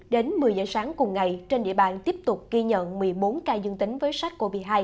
đến một mươi giờ sáng cùng ngày trên địa bàn tiếp tục ghi nhận một mươi bốn ca dương tính với sars cov hai